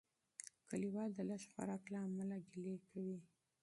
کلیوال د لږ خوراک له امله ګیلې کوي.